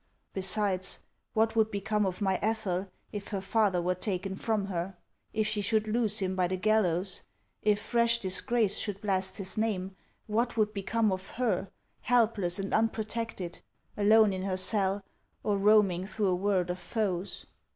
Besides, what would become of my Ethel if her father were taken from her ; if she should lose him by the gal lows, if fresh disgrace should blast his name, what would become of her, helpless and unprotected, alone in her cell or roaming through a world of foes